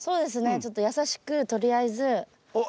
ちょっと優しくとりあえず。おっ。